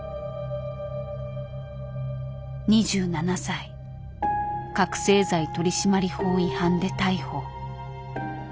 ２７歳覚醒剤取締法違反で逮捕。